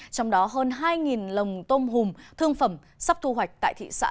trong đó hơn hai lồng tôm hùm thương phẩm sắp thu hoạch tại thị xã